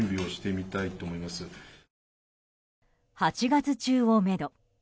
８月中を、めど。